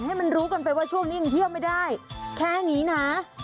ให้มันรู้กันไปว่าช่วงนี้ยังเที่ยวไม่ได้แค่นี้นะ